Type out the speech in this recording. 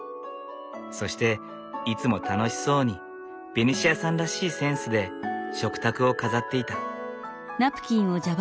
そしていつも楽しそうにベニシアさんらしいセンスで食卓を飾っていた。